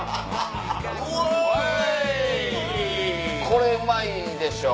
これうまいでしょ。